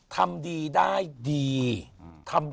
ขอบคุณครับ